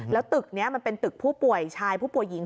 แล้วตึกนี้มันเป็นตึกผู้ป่วยชายผู้ป่วยหญิง